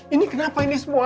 ini kenapa ini semua